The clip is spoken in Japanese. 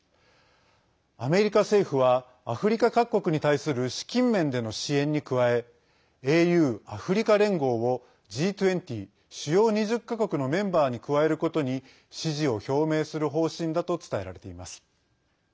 アメリカ政府はアフリカ各国に対する資金面での支援に加えＡＵ＝アフリカ連合をＧ２０＝主要２０か国のメンバーに加えることに支持を表明する方針だと伝えられています。